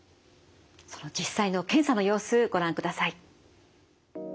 その実際の検査の様子ご覧ください。